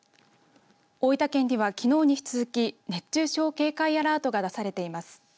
大分県にはきのうに引き続き熱中症警戒アラートが出されています。